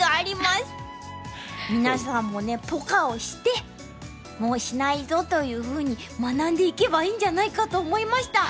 皆さんもねポカをして「もうしないぞ」というふうに学んでいけばいいんじゃないかと思いました。